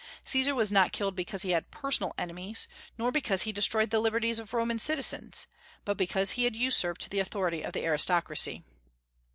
Caesar was not killed because he had personal enemies, nor because he destroyed the liberties of Roman citizens, but because he had usurped the authority of the aristocracy.